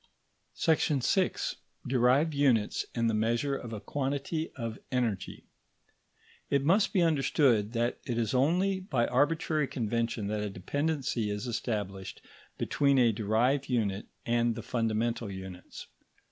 § 6. DERIVED UNITS AND THE MEASURE OF A QUANTITY OF ENERGY It must be understood that it is only by arbitrary convention that a dependency is established between a derived unit and the fundamental units.